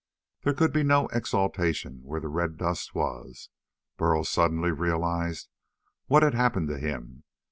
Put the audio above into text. There could be no exultation where the red dust was. Burl suddenly realized what had happened to him.